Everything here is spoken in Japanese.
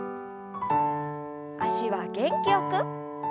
脚は元気よく。